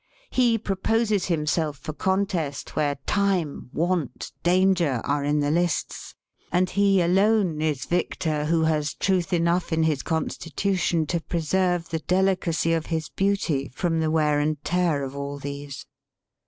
He proposes him self for contest where Time, Want, Danger, are in the lists, and he alone is victor who has truth enough in his constitution to preserve the delicacy of his beauty from the wear and tear of all these.